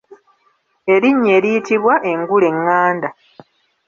Erinnya eriyitbwa engule eηηanda.